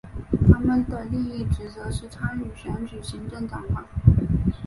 他们的另一职责是参与选举行政长官。